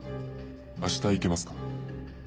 明日行けますか？」